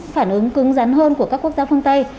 phản ứng cứng rắn hơn của các quốc gia phương tây